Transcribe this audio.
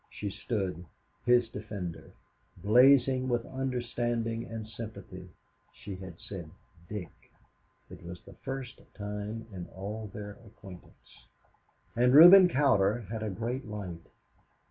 She stood, his defender, blazing with understanding and sympathy. She had said "Dick" it was the first time in all their acquaintance. And Reuben Cowder had a great light.